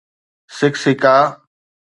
سکسيڪا